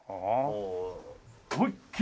もう思いっきり！